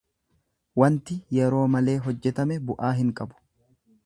Wanti yeroo malee hojjetame bu'aa hin qabu.